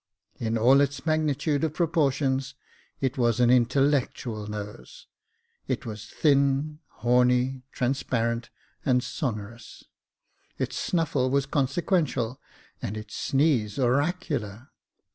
In all its magnitude of proportions, it was an intellectual nose. It was thin, horny, trans parent, and sonorous. Its snuffle was consequential, and its sneeze oracular.